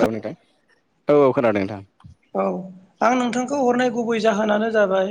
औ नोंथां औ औ खोनादों नोंथां औ आं नोंथांखौ हरनाय गुबै जाहोनानो जाबाय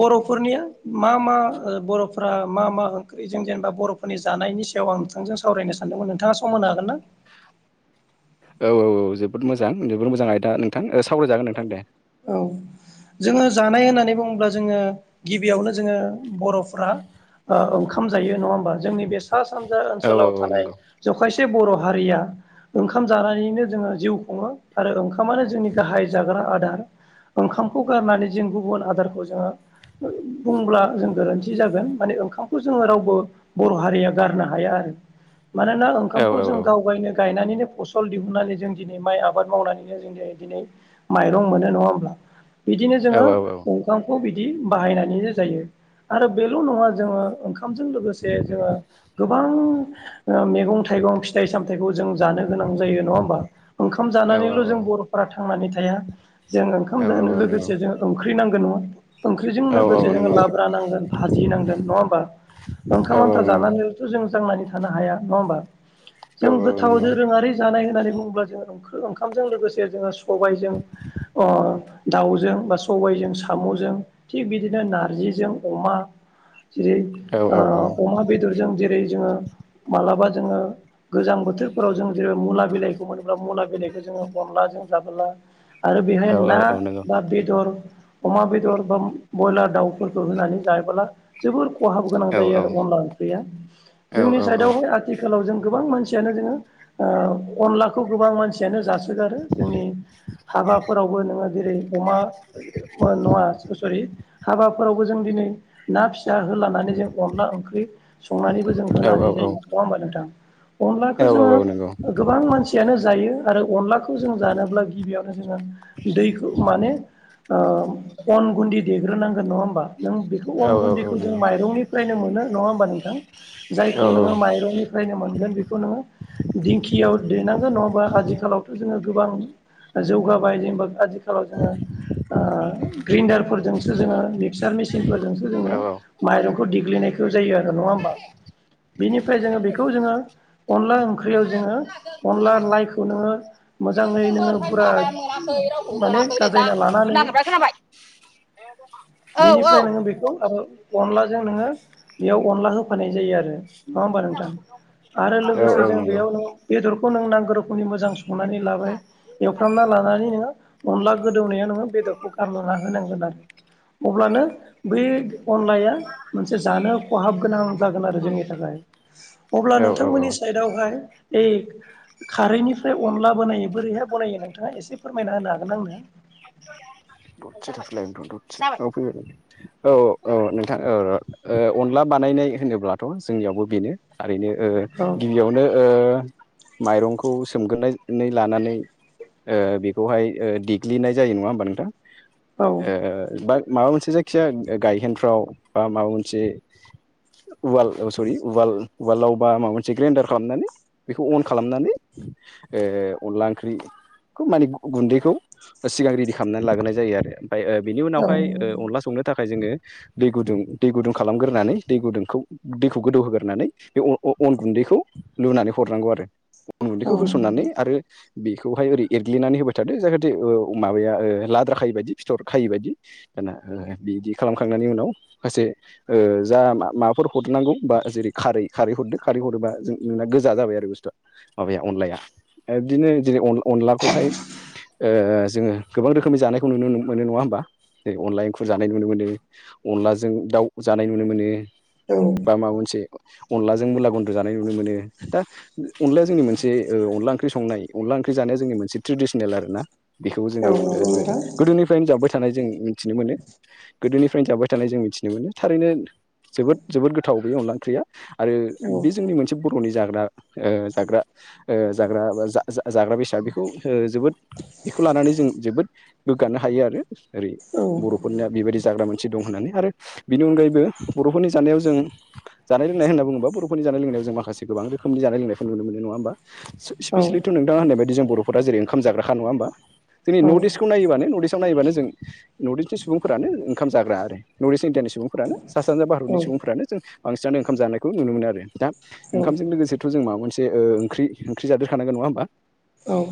बर'फोरनिया मा मा बर'फ मा मा जों जेनेबा बर'फोरनि जानायनि सायाव आं नोंथांजों सावरायनो सानदोंमोन नोंथाङा सम होनो हागोन ना औ औ औ जोबोद मोजां जोबोद मोजां आयदा नोंथां सावरायजागोन नोंथां दे औ जोङो जानाय होननानै बुङोब्ला जोङो गिबियावनो जोङो बर'फ्रा ओंखाम जायो नङा होमबा जोंनि बे सा सानजा औ औ ओनसोलाव औ थानाय नंगौ जखायसे बर' हारिया ओंखाम जानानैनो जोङो जिउ खुङो आरो ओंखामानो जोंनि गाहाय जाग्रा आदार ओंखामखौ गारनानै जों गुबुन आदारखौ जोङो बुंब्ला जों गोरोन्थि जागोन माने ओंखामखौ जोङो रावबो बर' हारिया गारनो हाया आर मानोना औ ओंखामखौ औ जों औ गाव गायनो गायनानै नो फसल दिहुननानै जों दिनै माइ आबाद मावनानैनो जों दिनै माइरं मोनो नङा होमब्ला। बिदिनो औ जोङो औ ओंखामखौ बि जि बाहायनानै जायो आरो बेल' नङा जोङो ओंखामजों लोगोसे जोङो। गोबां ओ मैगं थाइगं फिथाइ सामथायाइखौ जों जानो गोनां जायो नङा होनबा ओंखाम औ जानानैल जों बरफोरा थांनानै थाया जों ओंखाम औ जानो औ औ नंगौ लोगोसे जों ओंख्रि नांगौ नङा। ओंख्रिजों औ औ लोगोसे जोङो नंगौ लाब्रा नांगोन भाजि नांगोन नङा होमबा। ओंखाम औ आन्था औ नंगौ जानानैलथ' जों। थांनानै थानो हाया नङा होमबा जों औ औ गोथाव नंगौ दोरोङारि जानाय होननानै बुङोब्ला जोङों। ओंखामजों लोगोसे जोङो सबायजों। अ दाउजों बा सबायजों सामजों थिग बिदिनो नारजिजों अमा। जे औ औ ओ अमा बेदरजों जेरै जोङो मालाबा जोङो गोजां बोथोरफोराव जों मुला बिलाइखौ मोनोब्ला मुला बिलाइखौ जोङो। अनलाजों जाबोला आरो बेहाय औ ना औ औ नंगौ बा बेदर अमा बेदर बा ब्रयलार दाउफोरखौ होनानै जायोबोला जोबोर कहाब गोनां औ जायो औ आरो अनला ओंख्रिया औ नंगौ औ नंगौ औ जोंनि नंगौ साइडआवहाय आथिखालाव जों गोबां मानसियानो जोङो ओ अनलाखौ गोबां मानसियानो जासै आरो जोंनि हाबाफ नोङो जेरै अमा नङा सरि हाबाफोरावबो जों दिनै ना फि फिसा होलानानै जों अनला ओंख्रि संनानैबो जों होनानै औ जायो नङा होमबा नोंथां? अनलाखौ जोङो गोबां मानसियानो जायो आरो अनलाखौ जों जानोब्ला गिबियावनो जोङो दैखौ माने ओ अन गुन्दि देग्रोनांगोन नङा होमबा? नों बेखौ अन गुन्दैखौ जों माइरंनिफ्रायनो मोनो नङा होमबा नोंथां। जायखौ नोङो माइरंनिफ्रायनो मोनगोन बेखौ नोङो दिंखियाव दैेनांगोन नङाबा आजिखालावथ' जोङो गोबां जौगाबाय जेनेबा आजि जेराव जोङो। ओ ग्रेन्डारफोरजोंसो जोङो मिक्सार मेसिनफोरजोंसो जोङो माइरं देग्लिनायखौ जायो आरो नङा हमबा बेनिफ्राय जोङो बेखौ जोङो अनला ओंख्रियाव जोङो अनला लानायखौ नोङो मोजाङै नोङो पुरा माने गाजायना लानानै। बिनिफ्राय नोङो बेखौ आरो अनलाजों नोङो बेयाव अनला होफानाय जायो आरो नङा होमबा नोंथां आरो लोगोसे जों बेयाव ननों बेदर खौ नों नांगौ रोखोमनि मोजां संनानै लाबाय एवफ्रामना लानानै नोङो अनला गोदौनाया नोङो बेदरखौ गारलाना होनांगोन आरो अब्लानो बे अनलाया मोनसे जानो खहाब गोनां जागोन आरो जोंनि थाखाय अब्ला औ नोंथांमोननि सायाव [unintelligible] ए खारैनिफ्राय अनला बानायो बोरैहाय बनायो नोंथाङा एसे फोरमायना होनो हाग नों आंनो ददसे थाथ'लाय ओं ददसे औ फैबाय औ औ नोंथां औ र। ओ अनला बानायनाय होनोब्लाथ जोंनियावबो बेनो ओरैनो ओ गिबियावनो ओ माइरंखौ सोमगोरनायनै लानानै ओ बेखौहाय देग्लिनाय जायो नङा होमबा नोंथां औ ओ बा माबा मोनसे जायखिजाया गायहेनफ्राव बा माबा मोनसे उवाल सरि उवाल उवालावबा माबा मोनसे ग्रेन्डार खालामनानै। बेखौ अन खालामनानै ओ अनला ओंख्रिखौ माने गुन्दैखौ सिगां रेडि खालामनानै लाग्रोनाय जायो आरो ओमफ्राय ओ बिनि उनावहाय ओ औ अनला संनो थाख [unintelligible] जोङो दै गुदुं दै गुदुं खालामगोरनानै दै गुदुंखौ दैखौ गोदौहोगोरनानै बे अ अ अन गुन्दैखौ लुनानै हरनांगौ आरो उन गन्दैखौ औ होसननानै आरो बेखौहाय ओरै एरग्लिनानै होबाय थादो जाहाथे ओ माबाया ओ लाद्रा खायि बायदि फिथर खायै बायदि दाना बिदि खालामखांनायनि उनाव [unintelligible] ओ जा मा माबाफोर हरनांगौ बा जेरै खारै खारै हरदो खारै हरोबा जों नोंना गोजा जाबाय बाय आरो बुस्थुआ माबाया अनलाया बिदिनो जेरै अनला-अनलाखौहाय ओ जोङो गोबां रोखोमनि जानायखौ नुनो मोनो नङा होमबा ओ अनला एंखुर जानाय नुनो मोनो अनलाजों दाउ जानाय नुनो मोनो औ बा माबा मोनसे अनलाजों मुला गुन जानाय नुनो मोनो दा अनलाया जोंनि मोनसे ओ अनला ओंख्रि संनाय अनला ओंख्रि जानाया जोंनि मोनसे ट्रेडिसनेल आरोना बेखौबो जों नंगौ ओ नोंथां गोदोनिफ्रायनो जाबोबाय थानाय जों मिथिनो मोनो गोदोनिफ्रायनो जाबाय थानाय जों मिथिनो मोनो थारैनो जोबोद जोबोद गोथाव बे अनला ओंख्रिया आरो औ बे जोंनि मोनसे बर'नि जाग्रा ओ जाग्रा ओ जाग्रा जा-जा-जाग्रा बेसाद बेखौ ओ जोबोद बेखौ लानानै जों जोबोद गोग्गानो हायो आरो ओरै औ बरफोरना बेबायदि जाग्रा मानसे दं होननानै आरो बिनि अनगायैबो बरफोरनि जानायाव जों जानाय लोंनाय होनना बुङोबा बरफोरनि जानाय लोंनायाव जों माखासे गोबां रोखोमनि जानाय लोंनायखौ नुनो मोनो नङा होमबा। स्पेसिलिथ नोंथाङा होननाय बाइदि जों बरफोरा जेरै ओखाम जाग्राखा नङा होमबा दिनै नर्थ इस्टखौ नायोबानो नर्थ इस्त नायोबानो जों नर्थ इस्त नि सुबुंफोरानो ओंखाम जाग्रा आरो नर्थ इन्डियानि सुबुं सुबुंफोरानो सा सानजा भारतनि सुबुंफोरानो जों बांसिनानो ओंखाम जानायखौ नुनो मोनो आरो दा ओंखामजों लोगोसेथ जों माबा मोनसे ओ ओंख्रि ओंख्रि जादेरखानांगोन नङा होमबा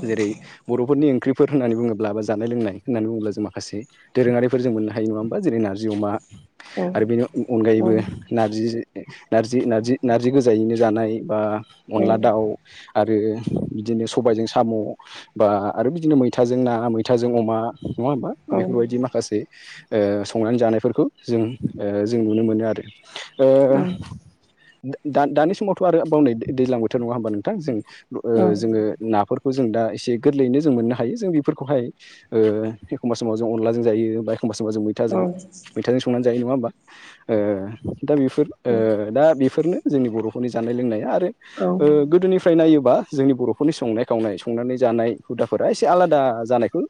जेरै बर'फोरनि फोर होननानै बुङोब्ला बा जानाय लोंनाय होननानै बुङोब्ला जों माखासे दोरोङारिफोर जों मोननो हायो नङा होमबा जेरै नारजि अमा आरो बेनि अनगायैबो नारजि नारजि नारजि नारजि गोजायैनो जानाय बा अनला दाउ आरो बिदिनो सबायजों साम' बा आरो बिदिनो मैथाजों ना मैथाजों अमा नङा होमबा बेफोरबायदि माखासे ओ संनानै जानायफोरखौ जों ओ जों नुनो मोनो आरो ओ दा दानि समावथ' आरोबावनै दैज्लां बोथोर नङा होमबा नोंथां जों ओ जोङो नाफोर खौ जों दा एसे गोरलैयैनो जों मोननो हायो जों बेफोरखौहाय ओ एखमबा समाव जों अनलाजों जायो बा एखमबा समबा जों मैथाजों मैथाजों संनानै जायो नङा होमबा ओ दा बेफोर ओ दा बेफोरनो जोंनि बरफोरनि जानाय लोंनाया ओ गोदोनिफ्राय नायोबा जोंनि बर'फोरनि संनाय खावनाय संनानै जानाय हुदाफोर दा एसे आलादा जानायखौ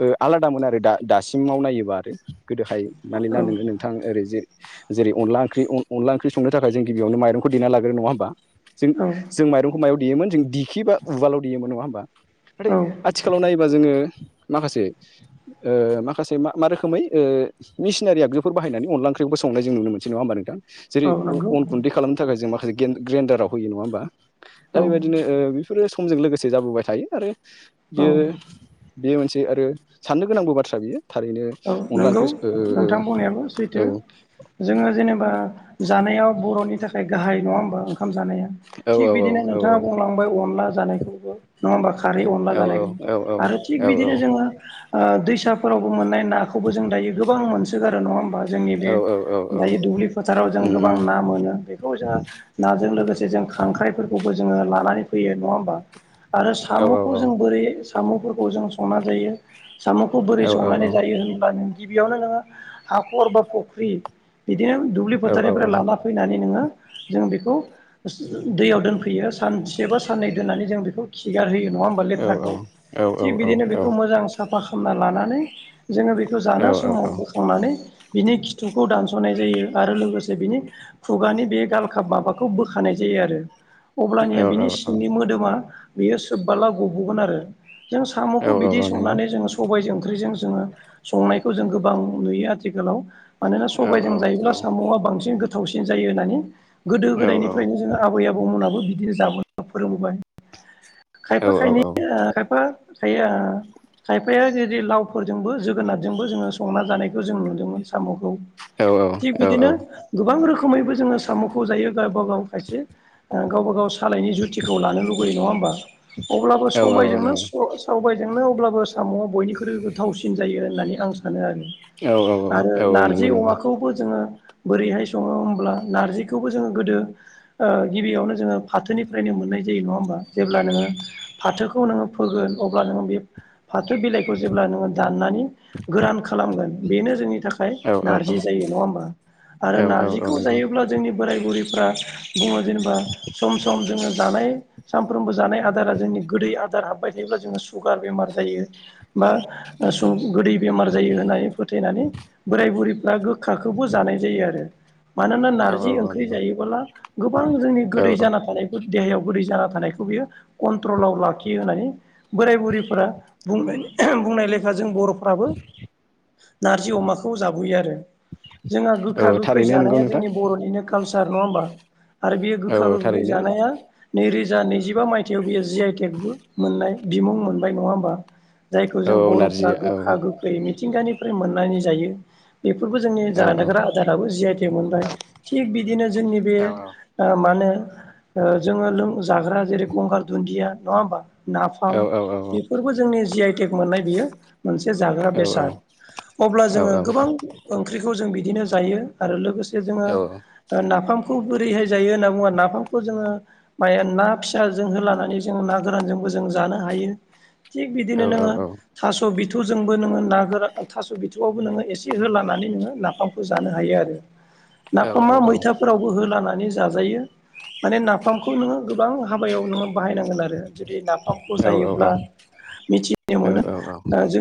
ओ आलादामोन आरो दा-दासिमाव नायोबा आरो गोदोहाय माने ला नोङो औ नोंथां ओरैजे जेरै अनला ओंख्रि अनला ओंख्रि संनो थाखाय जों गिबियावनो माइरंखौ देना लागोयो नङा होमबा जों औ जों माइरंखौ मायाव देयोमोन जों दिखि बा उवालाव देयोमोन नङा होमबा औ नाथाय थिखालाव नायोबा जोङो माखासे ओ माखासे मा मा रोखोमै ओ मिसिनारि [unintelligible] आगजुफोर बाहायनानै अनला ओंख्रिखौब़ संनाय जों नुनो मोनसै नङा होनबा नोंथां जेरै अ नंगौ अन गुन्दै खालामनो थाखाय जों माखासे गेन ग्रेन्दाराव होयो नङा होमबा दा औ बेबायदिनो ओ बेफोरो समजों लोगोसे जाबोबाय थायो आरो बियो औ बेयो मोनसे आरो साननो गोनांबो बाथ्रा बियो थारैनो औ अनला नंगौ ओंख्रि नोंथां बुंनायाबो सैथो ओ जोङो जेनेबा जानायाव बर'नि थाखाय गाहाय नङा होमबा ओं ओंखाम जानाया औ थिग बिदिनो औ नोंथाङा बुंलांबाय अनला जानायखौबो नङा होमबा। खारै अनला औ जानायखौ आरो थिग औ औ बिदिनो जोङो ओ दैसाफोरावबो मोननाय नाखौबो जों दायो गोबां मोनसोगारो नङा होम जोंनि बे औ औ औ दायो दुब्लि फोथाराव जों उम गोबां उम ना मोनो बेखौ जोङो नाजों लोगोसे जों खांख्राइफोरखौबो जोङो लानानै फैयो नङा होमबा आरो औ औ साम'खौ जों बोरै साम' जों संना जायो। साम'खौ बोरै औ औ संनानै जायो होमबा जों गिबियावनो नो हाख'र बा फख्रि बिदिनो दुब्लि औ औ फोथारनिफ्राय लाना फैनानै नोङो जों बेखौ दैयाव दोनफैयो सानसे बा साननै दोननानै जों बेखौ खिगारहोयो। नङा होनबा लथ्राखौ थिकबिदिनो बेखौ मोजां साफा खालामामना लानानै जोङो बेखौ जानो समाव बोखांनानै बिनि खिथु खौ दानस'नाय जायो आरो लोगोसे बिनि खुगानि बे गालखाब माबाखौ बोखानाय जायो आरो अब्लानिया बिनि औ सिंनि औ मोदोमा बियो सोबबला ग'बोगोन आरो जों साम'खौ औ बिदि औ नंगौ संनानै जोङो सबायजों ओंख्रिजों जोङो संनायखौ जों गोबां नुयो आथिखालाव मानोना औ सबायजों जायोब्ला साम'आ बांसिन गो थावसिन जायो होन्नानै गोदो-गोदायनिफ्रायनो जों आबै-आबौमोनहाबो बिदिनो जाबो ना फोरोंबोबाय खायफा खायनै ओ खायफा जाया खायफाया जदि लावफोरजोंबो जो गोनारजों बो संना जानायखौ जों नुदों साम बिदिनो गोबां रोखो खोमैबो जोङो साम'खौ जायो गावब गाव खायसे ओ गावबा गाव सालायनि जुथिखौ लानो लुबगैयो नङा होमबा? अब्लाबो औ औ समायजोंनो नंगौ सबायजोंनो अब्लाबो साम'आ बयनिख्रुइ गोथावसिन जायो होननानै आं सानो आरो औ औ आरो औ औ नारजि नंगौ नंगौ अमाखौबो जोङो बोरैहाय सङो होमब्ला नारजिखौबो जोङो गोदो गिबियावनो जोङो फाथोनिफ्रायनो मोन नाय जायो नङा हा जेब्ला नोङो फाथोखौ नोङो फोगोन अब्ला नोङो बे फाथो बिलाइखौ जेब्ला नोङो दाननानै गोरान खालामगोन बेनो जोंनि थाखाय औ औ नारजि जायो नङा होमबा आरो औ औ नारजिखौ नंगौ जायोब्ला जोंनि बोराय-बुरैफ्रा बुङो जेनेबा सम सम जोङो जानाय सानफ्रोमबो जानाय आदारा जोंनि गोदै आदार हाबबाय थायोब्ला जोङो सुगार बेमार जायो। बा गोदै बेमार जायो होननानै फोथायनानै बोराय-बुरै फोरा गोखा खौबो जानाय जायो आरो मानोना औ नारजि ओंख्रि नंगौ जायोबोला गोबां जोंनि औ गोदै जाना थानायफोर देहायाव गोदै जाना थानायखौ बियो कन्ट्रलाव लाखियो होननानै बोराय-बुरैफोरा बुं-बुंनाय लेखा जों बर'फ्राबो नारजि अमाखौ जाबोयो आरो। जोंहा औ गोखा औ गोखै थारैनो नंगौ जानाया नोंथां जोंनि बर'निनो कालसार नङा होमबा आरो बेयो औ गोखा औ गो गोखै थारैनो जानाया नैरो जा नैजिबा मायथाइयाव बियो जि आइ टेकबो मोननाय बिमुं मोनबाय नङा होमबा? जायखौ जों औ बर'फ्रा नारजिया औ गोखा गोखै मिथिंगानिफ्राय मोननानै जायो। बेफोरबो जोंनि औ जानोग्रा आदाराबो जि आइ टेग मोनबाय थिग बिदिनो जोंनि बे औ ओ मा होनो जोङो लों जाग्रा जेरै गंगार दुन्दिया नङा होमबा नाफाम औ औ बेफोरबो जोंनि जि आइटेक मोननाय बेयो मोनसे जाग्रा औ बेसाद अब्ला जोङो गोबां ओंख्रिखौ जों बिदिनो जायो आरो लोगोसे जोङो नाफाम खौ बोरैहाय जायो होन्ना बुङो नाफामखौ जोङो मा ना फिसाजों होलानानै जोङो ना गोरानजोंबो जों जानो हायो। थिक बिदिनो नोङो थास'बि थौजोंबो नोङो ना गोरा थास' बिथौआवबो नोङो एसे होलानानै नोङो नाफामखौ जानो हायो आरो। नाफामा मैथाफोरावबो होलानै जाजायो माने नाफामखौ नोङो गोबां हाबायाव नोङो बाहायनांगोन आरो जुदि नाफामखौ जायोब्ला मिथिनो मोनो।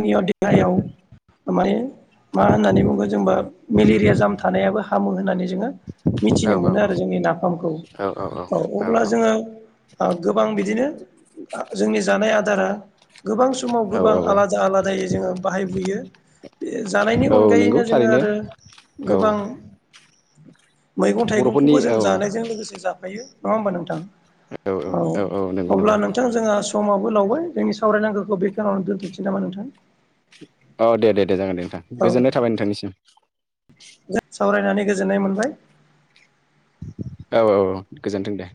निय देहायाव माने मा होननानै बुङो जोंबा मेलेरिया जाम थानायाबो हामो होननानै जों मिथिनो मोनो आरो जोंनि नाफामखौ औ अब्ला जोङो ओ गोबां बिदिनो जोंनि जानाय आदारा गोबां समाव गोबां आलादा आलादायै जोङो बाहायबोयो बे जानायनि नंगौ अनगायैनो जोङो थारैनो आरो औ गोबां मैगं बर'फोरनि थाइगंखौबो जों औ जानायजों लोगोसे जाफायो नङा होमबा नोंथां। औ अब्ला नोंथां जोंहा समाबो लावबाय जोंनि सावरायनांगौखौ बे खिनियावनो दोनथ'सै नामा नोंथां? औ दे दे दे जागोन दे नोंथां औ गोजोननाय थाबाय नोंथांनिसिम सावरायनानै गोजोननाय मोनबाय औ गोजोनथों दे।